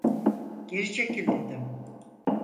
Geri çekil dedim!